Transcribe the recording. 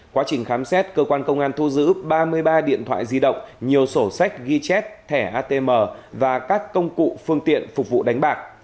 quá trình khám xét cơ quan công an thu giữ ba mươi ba điện thoại di động nhiều sổ sách ghi chép thẻ atm và các công cụ phương tiện phục vụ đánh bạc